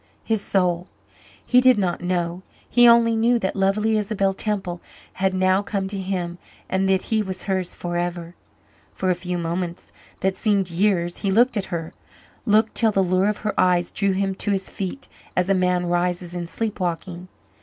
his soul? He did not know. He only knew that lovely Isabel Temple had now come to him and that he was hers forever. For a few moments that seemed years he looked at her looked till the lure of her eyes drew him to his feet as a man rises in sleep walking.